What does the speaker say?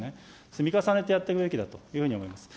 積み重ねてやっていくべきだと思います。